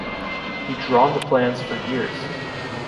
He drawn the plans for years.